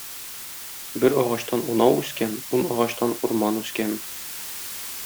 Бер агачтан унау үскән, ун агачтан урман үскән.